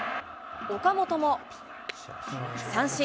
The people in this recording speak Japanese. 岡本も三振。